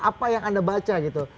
apa yang anda baca gitu